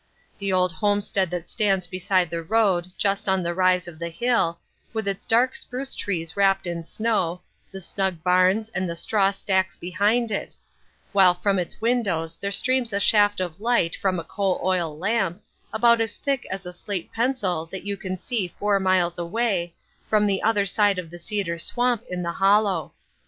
The Old Homestead that stands beside the road just on the rise of the hill, with its dark spruce trees wrapped in snow, the snug barns and the straw stacks behind it; while from its windows there streams a shaft of light from a coal oil lamp, about as thick as a slate pencil that you can see four miles away, from the other side of the cedar swamp in the hollow.